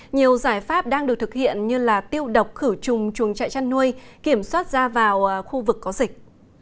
nhiều giải pháp đang được thực hiện như tiêu độc khử trùng chuồng trại chăn nuôi kiểm soát ra vào khu vực có dịch